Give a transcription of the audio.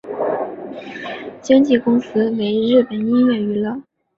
经纪公司为日本音乐娱乐。